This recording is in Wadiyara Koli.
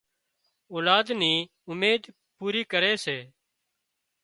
اولاد نِي اميد پوري ڪري سي